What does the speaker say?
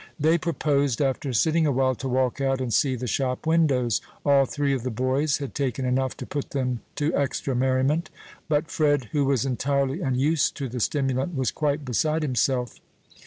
They proposed, after sitting a while, to walk out and see the shop windows. All three of the boys had taken enough to put them to extra merriment; but Fred, who was entirely unused to the stimulant, was quite beside himself.